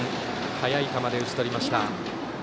速い球で打ち取りました。